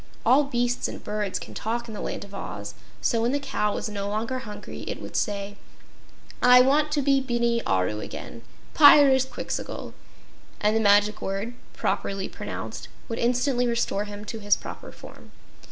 All beasts and birds can talk in the Land of Oz, so when the cow was no longer hungry, it would say: "I want to be Bini Aru again: Pyrzqxgl!" and the magic word, properly pronounced, would instantly restore him to his proper form.